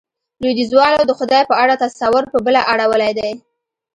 لوېديځوالو د خدای په اړه تصور، په بله اړولی دی.